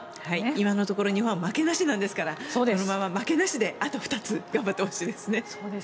今のところ日本は負けなしなんですからこのまま負けなしであと２つ頑張ってほしいですね。